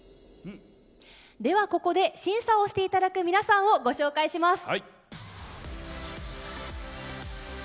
では、ここで審査をしていただく皆さんをご紹介します。